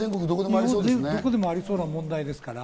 どこでもありそうな問題ですから。